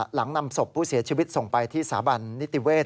หลังนำศพผู้เสียชีวิตส่งไปที่สถาบันนิติเวศ